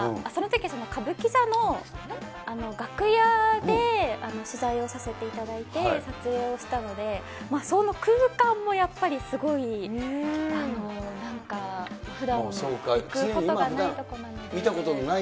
そのとき、歌舞伎座の楽屋で取材をさせていただいて、撮影をしたので、その空間もやっぱり、すごい、ふだん行くことがないとこなので。